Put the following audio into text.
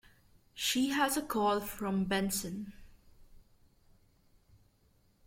She has a call from Benson.